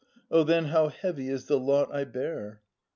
Oh, then how heavy is the lot I bear